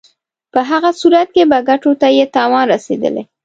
په هغه صورت کې به ګټو ته یې تاوان رسېدلی.